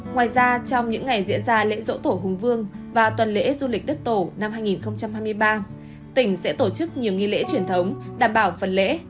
ngoài ra trong những ngày diễn ra lễ dỗ tổ hùng vương và tuần lễ du lịch đất tổ năm hai nghìn hai mươi ba tỉnh sẽ tổ chức nhiều nghi lễ truyền thống đảm bảo phần lễ